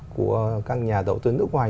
của các nhà đầu tư nước ngoài